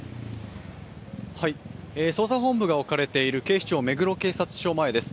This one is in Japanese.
捜査本部が置かれている警視庁目黒警察署前です。